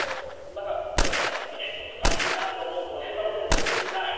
でも時にはちょっと寂しいなって思うとかそんなことも別にない？